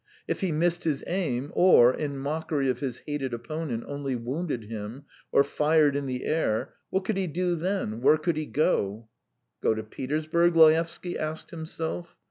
If he missed his aim or, in mockery of his hated opponent, only wounded him, or fired in the air, what could he do then? Where could he go? "Go to Petersburg?" Laevsky asked himself.